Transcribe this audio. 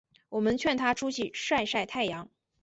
我们劝她出去晒晒太阳